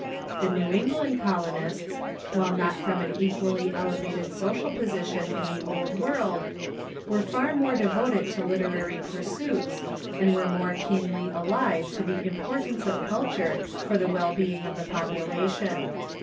The New England colonists, while not from an equalh^ elevated social position in the Old World, were far more devoted to literary pursuits, and were more keenly alive to the impor tance of culture for the well being of the population.